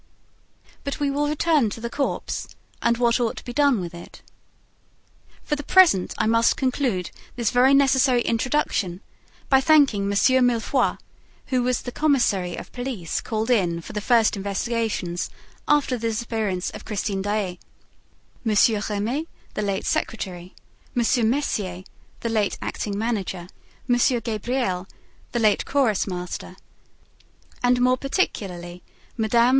But we will return to the corpse and what ought to be done with it. For the present, I must conclude this very necessary introduction by thanking M. Mifroid (who was the commissary of police called in for the first investigations after the disappearance of Christine Daae), M. Remy, the late secretary, M. Mercier, the late acting manager, M. Gabriel, the late chorus master, and more particularly Mme.